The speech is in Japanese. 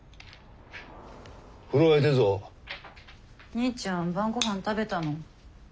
兄ちゃん晩ごはん食べたの？